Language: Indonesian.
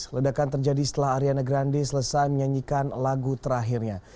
ledakan terjadi setelah ariana grande selesai menyanyikan lagu terakhirnya